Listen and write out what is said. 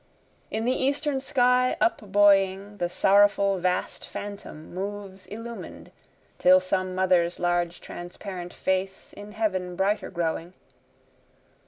In the eastern sky up buoying, The sorrowful vast phantom moves illumin'd, ('Tis some mother's large transparent face, In heaven brighter growing.)